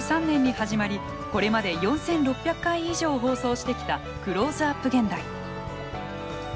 １９９３年に始まりこれまで４，６００回以上放送してきた「クローズアップ現代」。